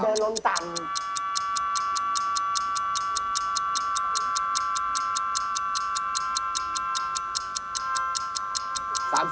อ๋อเดินลมต่ำ